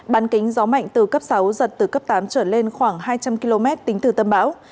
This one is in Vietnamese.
bán kính gió mạnh từ cấp sáu giật từ cấp tám trở lên khoảng hai trăm linh km tính từ tâm bão